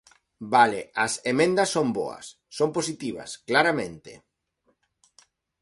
Vale, as emendas son boas, son positivas, claramente.